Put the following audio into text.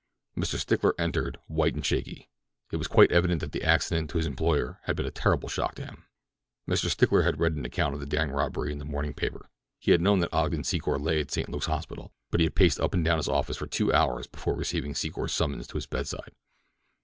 Mr. Stickler entered, white and shaky. It was quite evident that the accident to his employer had been a terrible shock to him. Mr. Stickler had read an account of the daring robbery in his morning paper. He had known that Ogden Secor lay at St. Luke's hospital; but he had paced up and down his office for two hours before receiving Secor's summons to his bedside.